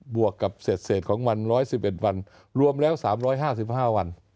วกกับเศษของวัน๑๑๑วันรวมแล้ว๓๕๕วัน